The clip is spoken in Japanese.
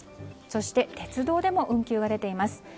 そして鉄道でも運休が出ています。